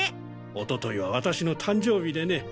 おとといは私の誕生日でね。